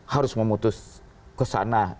harus memutus kesana